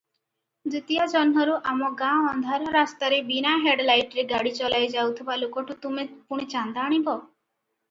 ଦ୍ଵିତୀୟା ଜହ୍ନରୁ ଆମ ଗାଁ ଅନ୍ଧାର ରାସ୍ତାରେ ବିନା ହେଡଲାଇଟରେ ଗାଡ଼ି ଚଲାଇ ଯାଉଥିବା ଲୋକଠୁ ତମେ ପୁଣି ଚାନ୍ଦା ଆଣିବ?